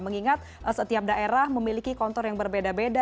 mengingat setiap daerah memiliki kontor yang berbeda beda